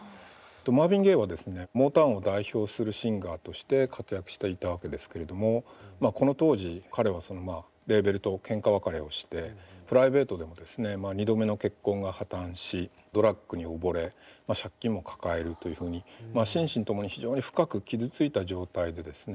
マーヴィン・ゲイはですねモータウンを代表するシンガーとして活躍していたわけですけれどもこの当時彼はそのまあレーベルとけんか別れをしてプライベートでもですね２度目の結婚が破綻しドラッグに溺れ借金も抱えるというふうに心身ともに非常に深く傷ついた状態でですね